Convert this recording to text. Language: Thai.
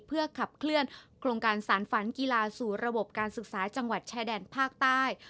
เพื่อขับเคลื่อนโครงการสารฝันกีฬาสู่ระบบการศึกษาจังหวัดชายแดนภาคใต้